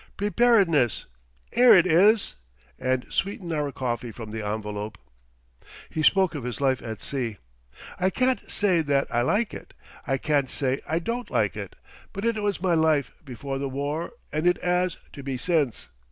"Preparedness 'ere it is" and sweetened our coffee from the envelope. He spoke of his life at sea. "I can't say that I like it I can't say I don't like it but it was my life before the war and it 'as to be since.